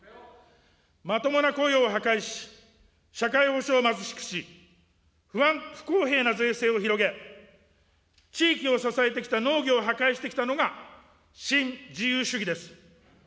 まともな雇用を破壊し、社会保障を貧しくし、不公平な税制を広げ、地域を支えてきた農業を破壊してきたのが新自由主義です。